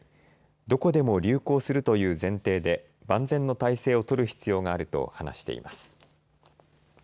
どこでも流行するという前提で万全の体制を取る必要があると話しています。